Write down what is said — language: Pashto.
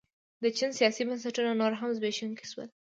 د چین سیاسي بنسټونه نور هم زبېښونکي شول.